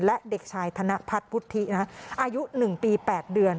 และเด็กชายธนพัฒน์พุทธินะฮะอายุหนึ่งปีแปดเดือน